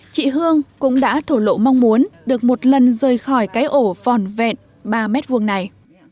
chị hương cũng đã thổ lộ mong muốn được một lần rời khỏi cái ổ vòn vẹn ba mét vuông này